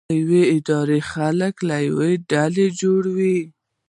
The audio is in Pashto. یوه اداره د خلکو له ډلو جوړه وي.